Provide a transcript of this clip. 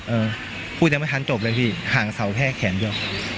เออพูดยังไม่ทันจบเลยพี่ห่างเสาแค่แขนเดียว